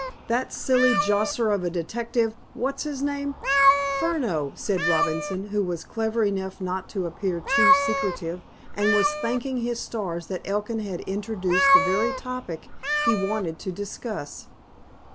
That silly josser of a detective—What's his name?" "Furneaux," said Robinson, who was clever enough not to appear too secretive, and was thanking his stars that Elkin had introduced the very topic he wanted to discuss.